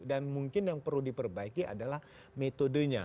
dan mungkin yang perlu diperbaiki adalah metodenya